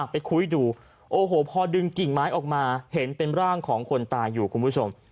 ไปคุยดูโอ้โหพอดึงกิ่งไม้ออกมาเห็นเป็นร่างของคนตายอยู่คุณผู้ชม